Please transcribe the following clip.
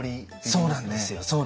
そうなんですよ。